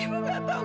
ibu gak tahu